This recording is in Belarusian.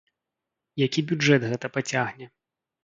Які бюджэт гэта пацягне.